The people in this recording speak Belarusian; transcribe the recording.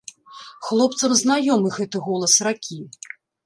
Хлопцам знаёмы гэты голас ракі.